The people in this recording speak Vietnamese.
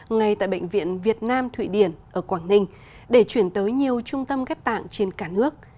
ngay tại bệnh viện việt nam thụy điển ở quảng ninh để chuyển tới nhiều trung tâm ghép tạng trên cả nước